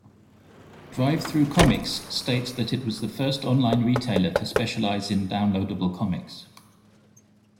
DriveThruComics states that it was the first online retailer to specialize in downloadable comics.